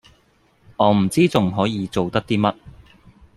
我唔知仲可以做得啲乜